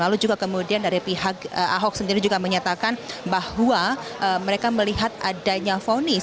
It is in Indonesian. lalu juga kemudian dari pihak ahok sendiri juga menyatakan bahwa mereka melihat adanya fonis